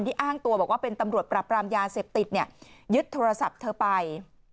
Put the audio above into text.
อ้างตัวบอกว่าเป็นตำรวจปรับปรามยาเสพติดเนี่ยยึดโทรศัพท์เธอไป